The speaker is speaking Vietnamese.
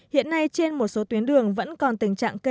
hiện nay trên một số tuyến đường vẫn còn tình trạng cây cố